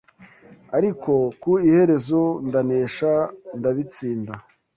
ariko ku iherezo ndanesha ndabitsinda